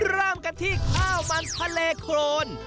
เริ่มกันที่ข้าวมันทะเลโครน